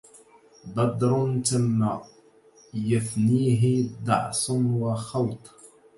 بدر تم يثنيه دعص وخوط